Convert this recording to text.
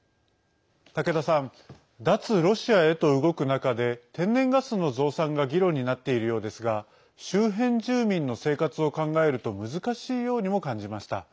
竹田さん、脱ロシアへと動く中で天然ガスの増産が議論になっているようですが周辺住民の生活を考えると難しいようにも感じました。